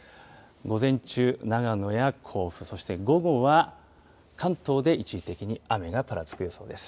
午前中、長野や甲府、そして午後は関東で一時的に雨がぱらつく予想です。